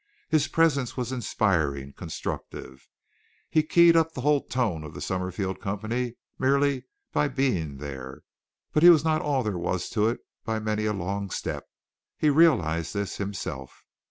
His presence was inspiring, constructive. He keyed up the whole tone of the Summerfield Company merely by being there; but he was not all there was to it by many a long step. He realized this himself.